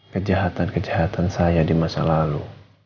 kejahatan kejahatan saya di masa lalu